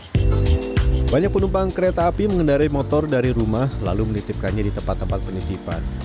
banyak penumpang kereta api mengendarai motor dari rumah lalu menitipkannya di tempat tempat penitipan